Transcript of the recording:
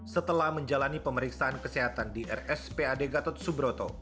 setelah menjalani pemeriksaan kesehatan di rs pad gatot subroto